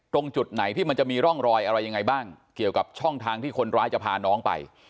ตรงจุดไหนที่มันจะมีร่องรอยอะไรยังไงบ้างเกี่ยวกับช่องทางที่คนร้ายจะพาน้องไป